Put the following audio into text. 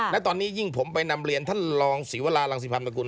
และตอนนี้ยิ่งผมไปนำเรียนท่านรองศรีวรารังสิพันธกุล